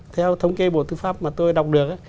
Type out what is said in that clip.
theo thống kê bộ tư pháp mà tôi đọc được